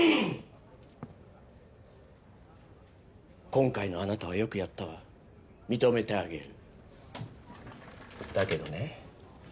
今回のあなたはよくやったわ認めてあげるだけどね